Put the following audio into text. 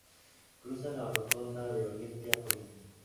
Cruza la Rotonda de oriente a poniente.